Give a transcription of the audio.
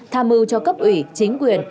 tham mưu cho cấp ủy chính quyền